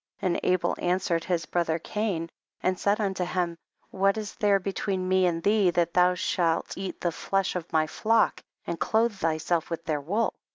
And Abel answered his bro ther Cain and said unto him, what is there between me and thee, that thou shah eat the flesh of my flock and clothe thyself with their wool